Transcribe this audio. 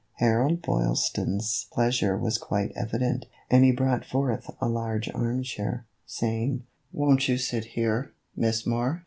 Harold Boylston's pleasure was quite evident, and he brought forward a large arm chair, saying, " Won't you sit here, Miss Moore